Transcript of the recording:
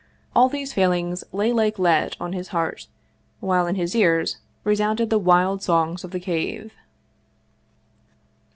All these feelings lay like lead on his heart, while in his ears re sounded the wild songs of the Cave.